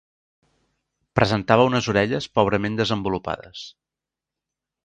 Presentava unes orelles pobrament desenvolupades.